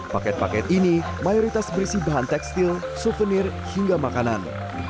paket paket ini mayoritas berisi bahan tekstil souvenir hingga makanan